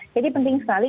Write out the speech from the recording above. jadi penting sekali